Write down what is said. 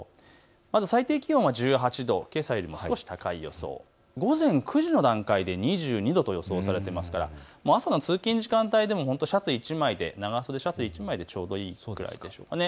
まず最低気温は１８度、けさよりも少し高い予想、午前９時の段階で２２度と予想されていますから朝の通勤時間帯でもシャツ１枚でちょうどいいくらいでしょうかね。